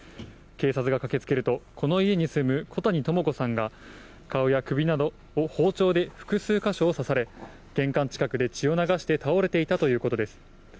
警察が駆けつけると、この家に住む小谷朋子さんが、顔や首などを包丁で複数箇所を刺され、玄関近くで血を流して倒れていたということです。